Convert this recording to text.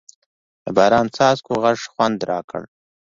د باران څاڅکو غږ خوند راکړ.